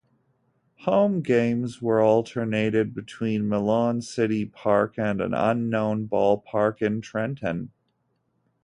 Home games were alternated between Milan City Park and an unknown ballpark in Trenton.